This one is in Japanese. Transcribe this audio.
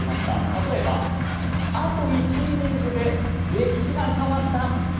例えば、あと１イニングで歴史が変わった。